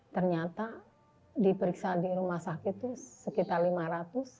ternyata diperiksa di rumah sakit itu sekitar lima ratus tiga puluh dua